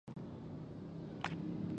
ډيپلوماسي د خبرو اترو له لاري ستونزي حلوي.